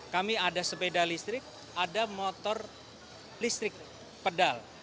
kami ada sepeda listrik ada motor listrik pedal